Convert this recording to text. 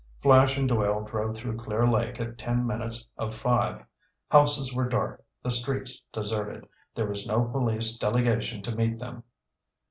Flash and Doyle drove through Clear Lake at ten minutes of five. Houses were dark, the streets deserted. There was no police delegation to meet them.